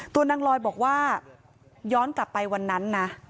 นางลอยบอกว่าย้อนกลับไปวันนั้นนะ